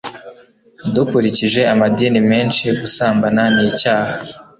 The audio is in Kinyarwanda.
Dukurikije amadini menshi, gusambana nicyaha.